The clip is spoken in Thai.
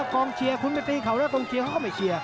กองเชียร์คุณไปตีเขาแล้วกองเชียร์เขาก็ไม่เชียร์